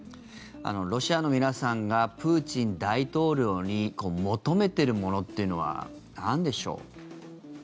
ロシアの皆さんがプーチン大統領に求めてるものっていうのはなんでしょう？